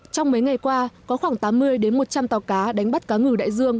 trong mấy ngày qua có khoảng tám mươi một trăm linh tàu cá đánh bắt cá ngừ đại dương